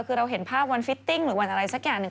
คือเราเห็นภาพวันฟิตติ้งหรือวันอะไรสักอย่างหนึ่ง